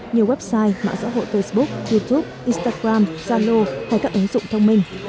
như website mạng xã hội facebook youtube instagram zalo hay các ứng dụng thông minh